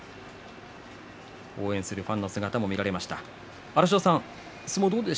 応援するファンの姿も見られます。